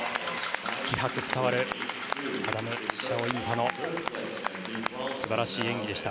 気迫伝わるアダム・シャオ・イム・ファの素晴らしい演技でした。